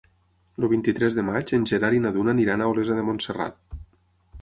El vint-i-tres de maig en Gerard i na Duna aniran a Olesa de Montserrat.